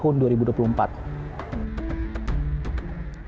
nanti pemilu di tahun dua ribu dua puluh empat